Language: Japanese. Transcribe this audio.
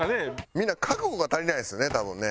みんな覚悟が足りないですよね多分ね。